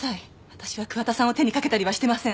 私は桑田さんを手にかけたりはしてません